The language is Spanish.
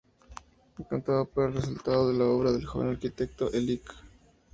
Encantado por el resultado de la obra del joven arquitecto, el Lic.